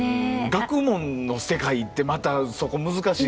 学問の世界ってまたそこ難しいですよね。